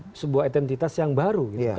itu sebuah identitas yang baru